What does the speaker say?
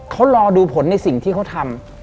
เขารอดูผลในสิ่งที่เขาทำ